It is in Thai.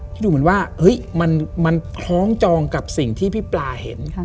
ที่ดูเหมือนว่าเฮ้ยมันคล้องจองกับสิ่งที่พี่ปลาเห็น